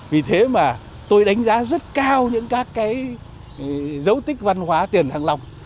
vì thế mà tôi đánh giá rất cao những các cái dấu tích văn hóa tiền thăng long